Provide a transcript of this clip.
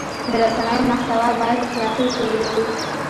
د رسنیو محتوا باید اخلاقي اصول ولري.